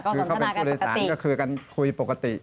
คือเขาเป็นผู้โดยสารก็คือกันคุยปกติ